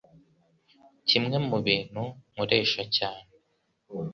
Kimwe mubintu nkoresha cyane